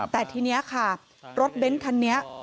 แต่ทีนี้ค่ะรถเบ้นคันนี้